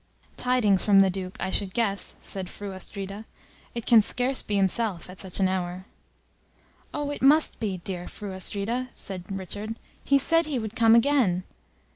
"Tidings from the Duke, I should guess," said Fru Astrida. "It can scarce be himself at such an hour." "Oh, it must be, dear Fru Astrida!" said Richard. "He said he would come again.